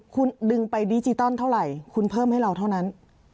คุณดึงไปดิจิตอลเท่าไหร่คุณเพิ่มให้เราเท่านั้น